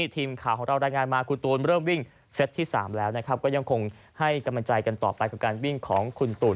ทีมข่าวของเรารายงานมาคุณตูนเริ่มวิ่ง